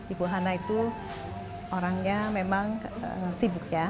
ibu hana itu orangnya memang sibuk ya